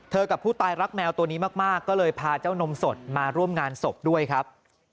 กับผู้ตายรักแมวตัวนี้มากก็เลยพาเจ้านมสดมาร่วมงานศพด้วยครับ